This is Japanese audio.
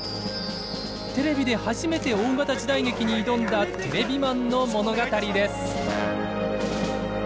テレビで初めて大型時代劇に挑んだテレビマンの物語です。